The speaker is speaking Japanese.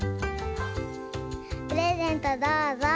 プレゼントどうぞ。